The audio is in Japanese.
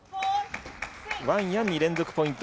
ワン・ヤンに連続ポイント。